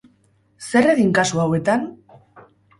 Zer egin kasu hauetan?